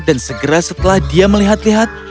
dan segera setelah dia melihat lihat